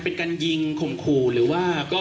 เป็นการยิงข่มขู่หรือว่าก็